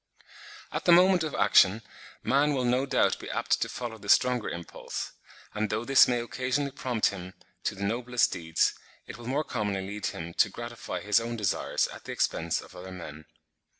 At the moment of action, man will no doubt be apt to follow the stronger impulse; and though this may occasionally prompt him to the noblest deeds, it will more commonly lead him to gratify his own desires at the expense of other men.